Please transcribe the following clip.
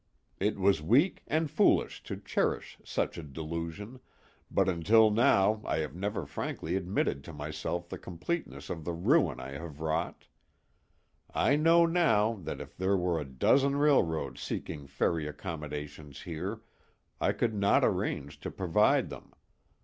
It was weak and foolish to cherish such a delusion, but until now I have never frankly admitted to myself the completeness of the ruin I have wrought. I know now that if there were a dozen railroads seeking ferry accommodations here, I could not arrange to provide them.